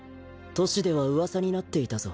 都市では噂になっていたぞ。